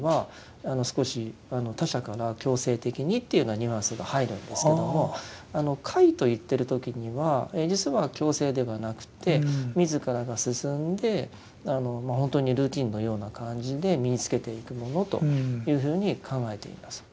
「律」っていう言葉でいわれる時にはが入るんですけども「戒」といってるときには実は強制ではなくて自らが進んで本当にルーティンのような感じで身につけていくものというふうに考えています。